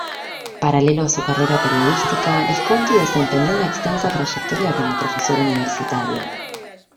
Paralelo a su carrera periodística, Visconti desempeñó una extensa trayectoria como profesor universitario.